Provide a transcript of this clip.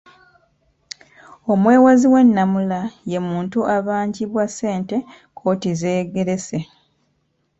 Omwewozi w'ennamula ye muntu abangibwa ssente kkooti z'egerese.